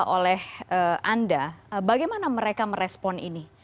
oleh anda bagaimana mereka merespon ini